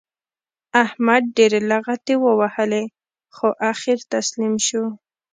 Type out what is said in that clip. احمد ډېرې لغتې ووهلې؛ خو اخېر تسلیم شو.